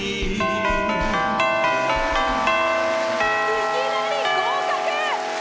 いきなり合格！